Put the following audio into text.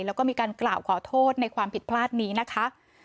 แล้วก็มีการกล่าวขอโทษในความผิดพลาดนี้นะคะ